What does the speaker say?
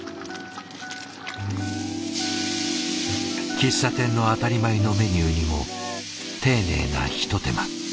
喫茶店の当たり前のメニューにも丁寧な一手間。